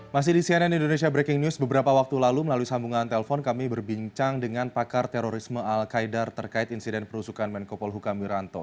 masih di cnn indonesia breaking news beberapa waktu lalu melalui sambungan telpon kami berbincang dengan pakar terorisme al qaidar terkait insiden perusukan menko polhukam wiranto